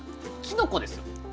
きのこですよ